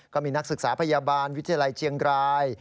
ก็มีนักศึกษาพยาบาลวิทยาลัยเชียงราย